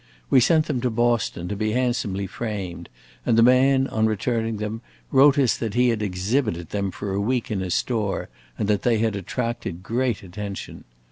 We sent them to Boston to be handsomely framed, and the man, on returning them, wrote us that he had exhibited them for a week in his store, and that they had attracted great attention.